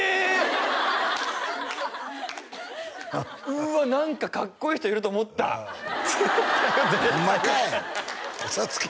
うわ何かかっこいい人いると思った絶対嘘ホンマかい嘘つけ！